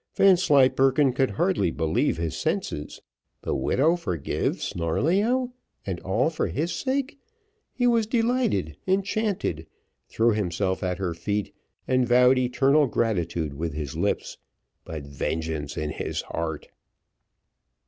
Vanslyperken could hardly believe his senses the widow forgive Snarleyyow, and all for his sake, he was delighted, enchanted, threw himself at her feet, and vowed eternal gratitude with his lips but vengeance in his heart.